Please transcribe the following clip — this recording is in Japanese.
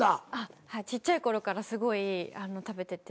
ちっちゃいころからすごい食べてて。